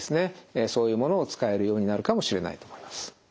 そういうものを使えるようになるかもしれないと思います。